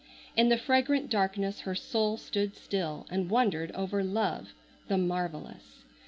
In the fragrant darkness her soul stood still and wondered over Love, the marvellous.